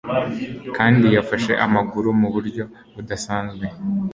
kandi yafashe amaguru mu buryo budasanzwe